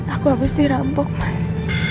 aku habis dirampok mas